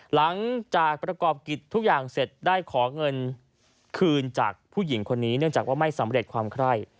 หลังจากประกอบกิจทุกอย่างเสร็จได้ขอเงินคืนจากผู้หญิงคนนี้เนื่องจากว่าไม่สำเร็จความไคร่